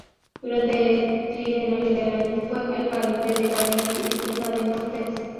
Durante el trienio Liberal fue alcalde de Cádiz y diputado en Cortes.